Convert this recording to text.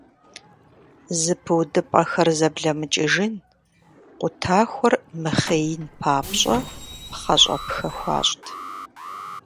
Зэпыудыпӏэхэр зэблэмыкӏыжын, къутахуэр мыхъеин папщӏэ пхъэщӏэпхэ хуащӏт.